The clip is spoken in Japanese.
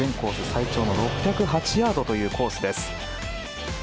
最長の６０８ヤードというコースです。